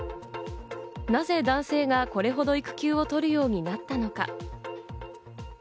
なぜ男性がこれほど育休を取るようになったのか。